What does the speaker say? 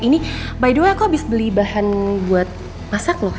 ini by the way aku bisa beli bahan buat masak loh